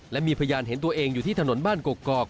และมีพยานเห็นตัวเองอยู่ที่ถนนบ้านกกอก